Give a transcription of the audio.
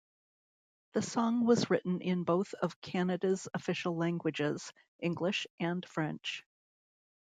The song was written in both of Canada's official languages, English and French.